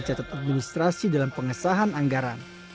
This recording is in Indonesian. cacat administrasi dalam pengesahan anggaran